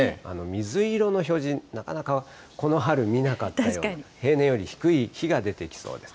水色の表示、なかなかこの春見なかったような、平年より低い日が出てきそうです。